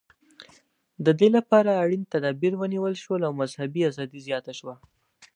دې لپاره اړین تدابیر ونیول شول او مذهبي ازادي زیاته شوه.